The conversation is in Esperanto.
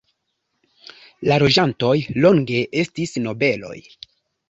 La loĝantoj longe estis nobeloj.